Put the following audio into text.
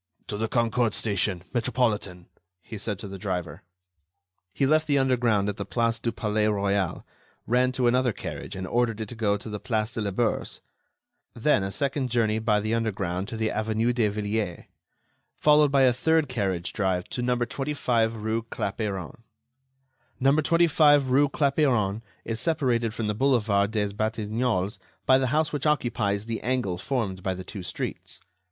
"To the Concorde station, Metropolitan," he said to the driver. He left the underground at the Place du Palais Royal, ran to another carriage and ordered it to go to the Place de la Bourse. Then a second journey by the underground to the Avenue de Villiers, followed by a third carriage drive to number 25 rue Clapeyron. Number 25 rue Clapeyron is separated from the Boulevard des Batignolles by the house which occupies the angle formed by the two streets.